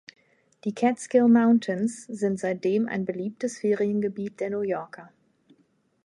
Die Catskill Mountains sind seitdem ein beliebtes Feriengebiet der New Yorker.